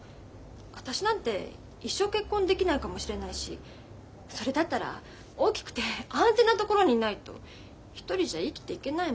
私なんて一生結婚できないかもしれないしそれだったら大きくて安全なところにいないと一人じゃ生きていけないもん。